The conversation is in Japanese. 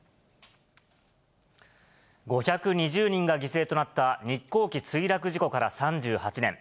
５２０人が犠牲となった日航機墜落事故から３８年。